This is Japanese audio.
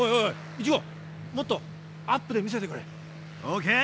１号もっとアップで見せてくれ。ＯＫ！